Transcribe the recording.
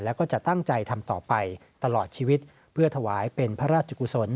แล้วก็จะตั้งใจทำต่อไปตลอดชีวิตเพื่อถวายเป็นพระราชกุศล